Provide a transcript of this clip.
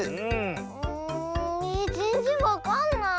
うんえぜんぜんわかんない。